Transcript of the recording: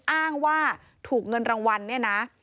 อ้างว่าถูกเงินรางวัลเนี่ยนะ